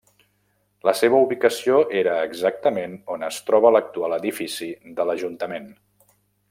La seva ubicació era exactament on es troba l'actual edifici de l'Ajuntament.